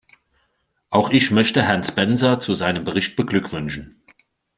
Auch ich möchte Herrn Spencer zu seinem Bericht beglückwünschen.